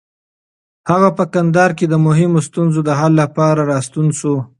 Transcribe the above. هغه په کندهار کې د مهمو ستونزو د حل لپاره راستون شو.